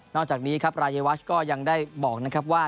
จากนี้ครับรายวัชก็ยังได้บอกนะครับว่า